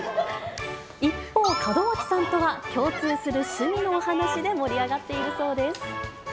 一方、門脇さんとは共通する趣味のお話で盛り上がっているそうです。